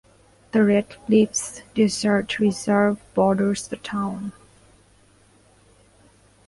The Red Cliffs Desert Reserve borders the town.